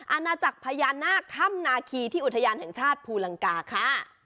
อาณาจักรพญานาคถ้ำนาคีที่อุทยานแห่งชาติภูลังกาค่ะ